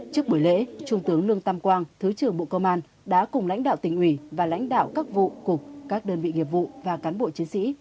trước buổi lễ trung tướng lương tam quang thứ trưởng bộ công an đã cùng lãnh đạo tỉnh ủy và lãnh đạo các vụ cục các đơn vị nghiệp vụ và cán bộ chiến sĩ